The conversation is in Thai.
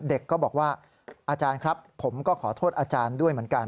เด็กก็บอกว่าอาจารย์ครับผมก็ขอโทษอาจารย์ด้วยเหมือนกัน